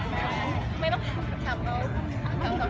แม่กับผู้วิทยาลัย